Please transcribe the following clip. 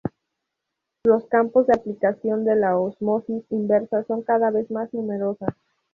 Los campos de aplicación de la ósmosis inversa son cada vez más numerosos.